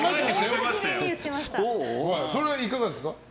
それはいかがですか。